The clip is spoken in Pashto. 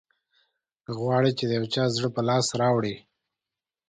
که غواړې چې د یو چا زړه په لاس راوړې.